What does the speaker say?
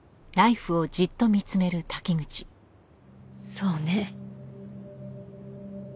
そうね。